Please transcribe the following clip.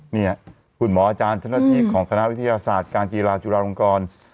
เนี่ยคุณหมออาจารย์เฉศนาธิกของคณะวิทยาศาสตร์การทีราชรุระภารกร